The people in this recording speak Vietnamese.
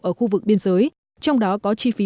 ở khu vực biên giới trong đó có chi phí